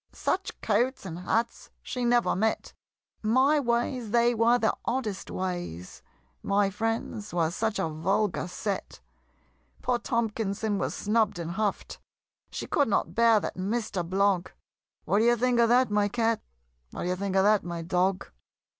Such coats and hats she never met! My ways they were the oddest ways! My friends were such a vulgar set! Poor Tomkinson was snubb'd and huff'd She could not bear that Mister Blogg What d'ye think of that, my Cat? What d'ye think of that, My Dog?